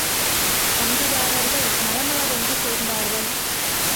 பங்குதாரர்கள் மளமளவென்று சேர்ந்தார்கள்.